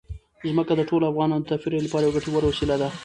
ځمکه د ټولو افغانانو د تفریح لپاره یوه ګټوره وسیله ده.